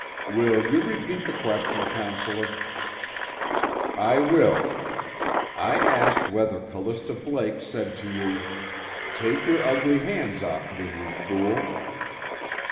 "Will you repeat the question, Counselor?" "I will. I ask whether Callista Blake said to you: 'Take your ugly hands off me, you fool!'"